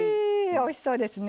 おいしそうですね。